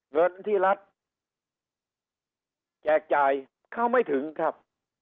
เงินที่รัฐแจกจ่ายเข้าไม่ถึงครับ